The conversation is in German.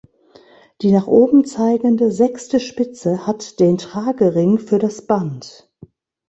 Die nach oben zeigende sechste Spitze hat den Tragering für das Band.